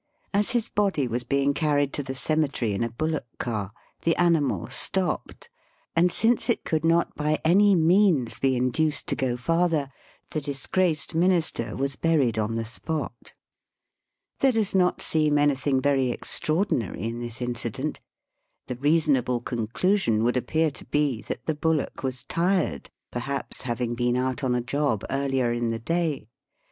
As his body was being carried to the cemetery in a bullock car the animal stopped, and since it could not by any means be induced to go farther, the disgraced minister was buried on the spot. There does not seem anything very extra ordinary in this incident. The reasonable conclusion would appear to be that the bullock was tired, perhaps having been out on a job earlier in the day.